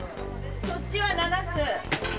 そっちは７つ。